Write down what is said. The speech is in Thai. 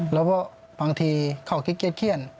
แล้วก็บางทีเขาเกลียดเขียน